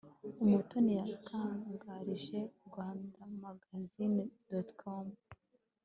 umutoni yatangarije rwandamagazine.com